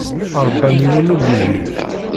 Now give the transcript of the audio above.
Ṛebban yiwen n ugujil.